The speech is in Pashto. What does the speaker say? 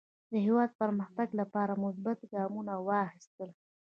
د هېواد پرمختګ لپاره مثبت ګامونه واخیستل.